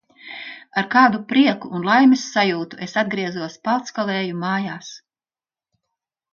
"Ar kādu prieku un laimes sajūtu es atgriezos "Palckalēju" mājās!"